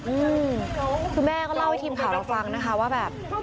อืมคือแม่ก็เล่าให้ทีมข่าวเราฟังนะคะว่าแบบ